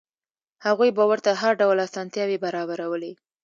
هغوی به ورته هر ډول اسانتیاوې برابرولې.